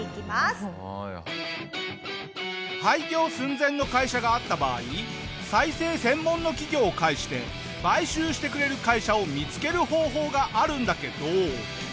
廃業寸前の会社があった場合再生専門の企業を介して買収してくれる会社を見付ける方法があるんだけど。